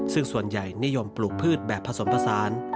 ซึ่งส่วนใหญ่นิยมปลูกพืชแบบผสมผสาน